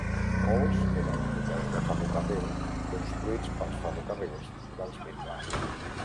Molts eren hotels de ferrocarril construïts pels Ferrocarrils dels Midlands.